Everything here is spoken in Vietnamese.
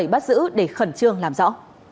bắt giữ để khẩn trương làm rõ